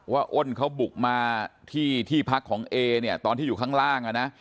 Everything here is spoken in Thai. อ้นเขาบุกมาที่ที่พักของเอเนี่ยตอนที่อยู่ข้างล่างอ่ะนะ